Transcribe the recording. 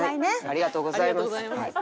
ありがとうございます。